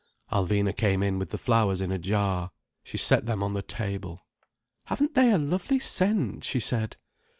Alvina came in with the flowers in a jar. She set them on the table. "Haven't they a lovely scent?" she said.